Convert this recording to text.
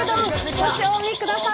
ご賞味ください。